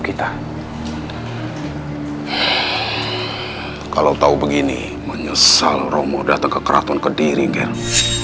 bro keeps his word e wtedy kita pamit jangan setelah lu royalty mr ikeyar punya dimensions